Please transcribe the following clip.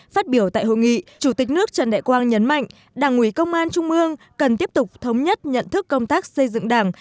phát biểu tại hội nghị chủ tịch nước trần đại quang nhấn mạnh đảng ủy công an trung ương cần tiếp tục thống nhất nhận thức công tác xây dựng đảng